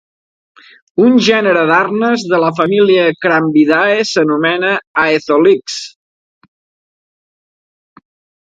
Un gènere d'arnes de la família Crambidae s'anomena Aetholix.